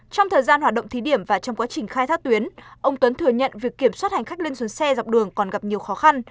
trong thời gian hoạt động thí điểm và trong quá trình khai thác tuyến ông tuấn thừa nhận việc kiểm soát hành khách lên xuống xe dọc đường còn gặp nhiều khó khăn